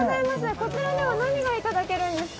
こちらでは何がいただけるんですか？